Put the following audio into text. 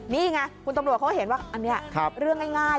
นี่ไงคุณตำรวจเขาเห็นว่าอันนี้เรื่องง่าย